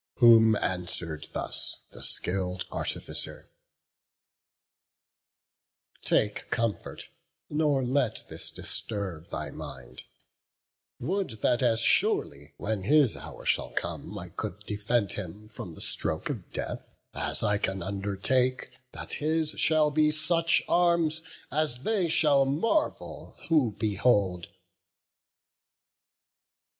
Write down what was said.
Whom answer'd thus the skill'd artificer: "Take comfort, nor let this disturb thy mind; Would that as surely, when his hour shall come, I could defend him from the stroke of death, As I can undertake that his shall be Such arms as they shall marvel who behold."